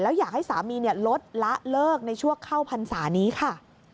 แล้วอยากให้สามีลดละเลิกในช่วงเข้าพรรษานี้ค่ะ